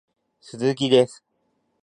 鈴木です